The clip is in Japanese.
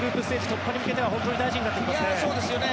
突破に向けては本当に大事になってきますね。